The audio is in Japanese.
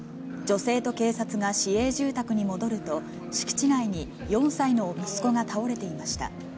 女性と警察が市営住宅に戻ると、敷地内に４歳の息子が倒れていました。